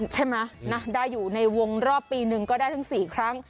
ใช่มะได้อยู่ในวงรอบปีนึงก็ได้ถึง๔ครั้ง